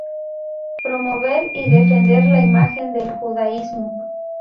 Promover y defender la imagen del judaísmo.